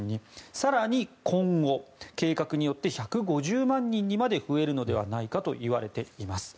更に今後、計画によって１５０万人にまで増えるのではないかといわれています。